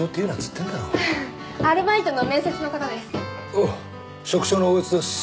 おう職長の大悦です。